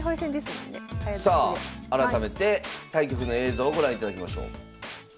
さあ改めて対局の映像をご覧いただきましょう。